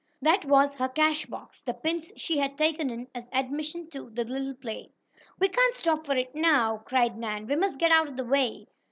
That was her cash box the pins she had taken in as admission to the little play. "We can't stop for it now!" cried Nan. "We must get out of the way."